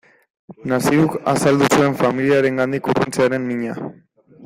Naziruk azaldu zuen familiarengandik urruntzearen mina.